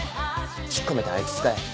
引っ込めてあいつ使え。